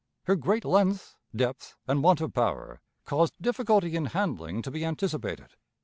Her great length, depth, and want of power, caused difficulty in handling to be anticipated.